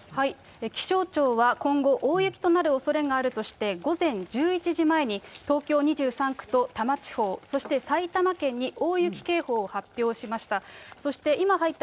気象庁は、今後、大雪となるおそれがあるとして、午前１１時前に東京２３区と多摩地方、そして埼玉県に大雪警報を発表しました。